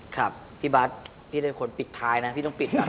ครับพี่บัตรพี่เป็นคนปิดท้ายนะพี่ต้องปิดนะ